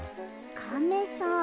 カメさん。